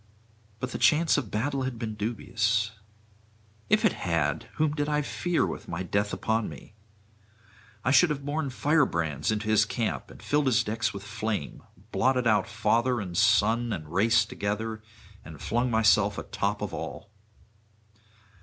But the chance of battle had been dubious. If it had! whom did I fear [604 635]with my death upon me? I should have borne firebrands into his camp and filled his decks with flame, blotted out father and son and race together, and flung myself atop of all.